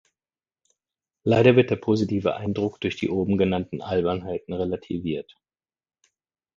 Leider wird der positive Eindruck durch die oben genannten Albernheiten relativiert.